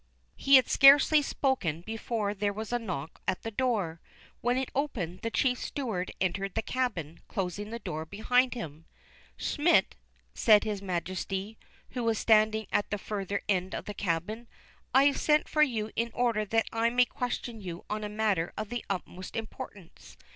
He had scarcely spoken before there was a knock at the door. When it opened, the chief steward entered the cabin, closing the door behind him. "Schmidt," said his Majesty, who was standing at the further end of the cabin, "I have sent for you in order that I may question you on a matter of the utmost importance.